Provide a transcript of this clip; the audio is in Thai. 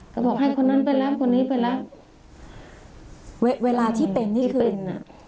ก็บอกให้คนนั้นไปรับคนนี้ไปรับเวลาที่เป็นนี่คือที่เป็นอ่ะ